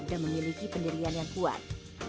memiliki pendirian yang kuat